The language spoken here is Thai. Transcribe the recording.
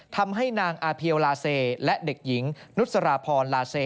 ทำให้นางอาเพียวลาเซและเด็กหญิงนุษราพรลาเซ